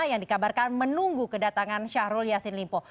yang dikabarkan menunggu kedatangan syahrul yassin limpo